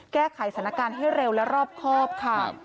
แก้ไขสถานการณ์ให้เร็วและรอบครอบค่ะ